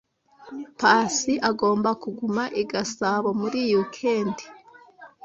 Pacy agomba kuguma i Gasabo muri iyi weekend.